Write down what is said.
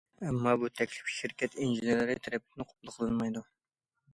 ئەمما بۇ تەكلىپ شىركەت ئىنژېنېرلىرى تەرىپىدىن قوبۇل قىلىنمايدۇ.